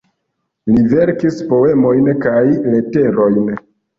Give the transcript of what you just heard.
Li verkis poemojn kaj leterojn.